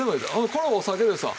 これお酒ですわ。